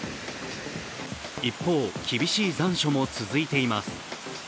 一方、厳しい残暑も続いています。